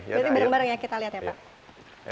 jadi bareng bareng ya kita lihat ya pak